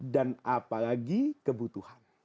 dan apalagi kebutuhan